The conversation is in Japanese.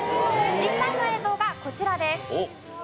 実際の映像がこちらです。